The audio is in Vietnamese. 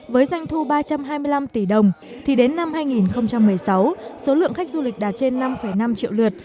với doanh thu ba trăm hai mươi năm tỷ đồng thì đến năm hai nghìn một mươi sáu số lượng khách du lịch đạt trên năm năm triệu lượt